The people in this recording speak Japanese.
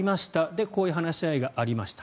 で、こういう話がありました。